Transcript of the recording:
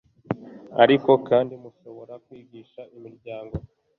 ariko kandi, mushobora kwigisha imiryango